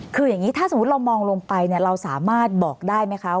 คืออย่างนี้ถ้าสมมุติเรามองลงไปเราสามารถบอกได้ไหมคะ